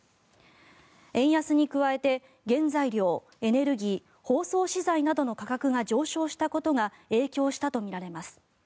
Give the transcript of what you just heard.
円安に加えて原材料、エネルギー包装資材などの価格が上昇したことが影響したとみられます。